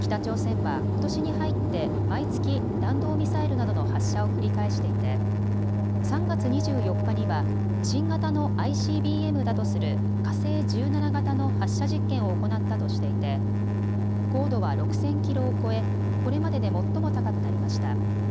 北朝鮮はことしに入って毎月弾道ミサイルなどの発射を繰り返していて３月２４日には新型のＩＣＢＭだとする火星１７型の発射実験を行ったとしていて高度は６０００キロを超えこれまでで最も高くなりました。